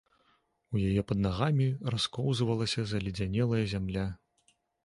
У яе пад нагамі раскоўзвалася заледзянелая зямля.